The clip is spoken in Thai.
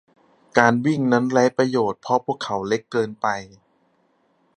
การวิ่งนั้นไร้ประโยชน์เพราะพวกเขาเล็กเกินไป